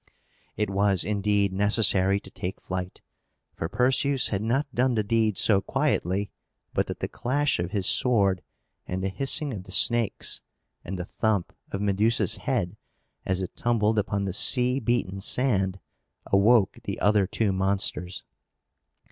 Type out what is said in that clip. It was, indeed, necessary to take flight; for Perseus had not done the deed so quietly but that the clash of his sword, and the hissing of the snakes, and the thump of Medusa's head as it tumbled upon the sea beaten sand, awoke the other two monsters.